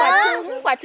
có trứng của ai đẻ ra